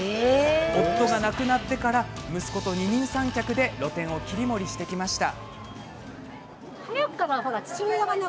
夫が亡くなってから息子と二人三脚で露店を切り盛りしてきました。